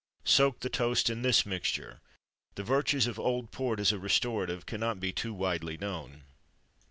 Soak the toast in this mixture. The virtues of old port as a restorative cannot be too widely known.